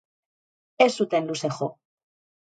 Ez zuten luze jo.